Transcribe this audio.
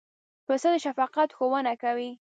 پسه د شفقت ښوونه کوي.